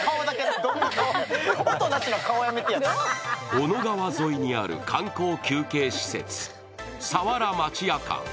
小野川沿いにある観光休憩施設、さわら町屋館。